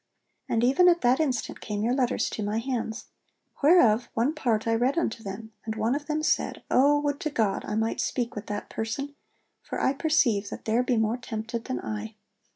And even at that instant came your letters to my hands; whereof one part I read unto them, and one of them said, "O would to God I might speak with that person, for I perceive that there be more tempted than I."'